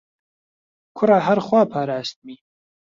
کوڕە هەر خوا پاراستمی